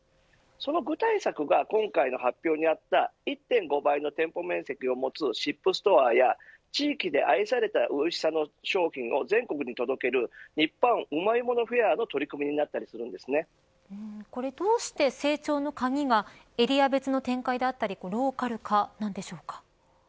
その具体策が今回の発表にあった１．５倍の店舗面積を持つＳＩＰストアや地域で愛されたおいしさの商品を全国に届ける日本うまいものフェアのこれ、どうして成長の鍵がエリア別の展開だったりローカル化なんでしょうか。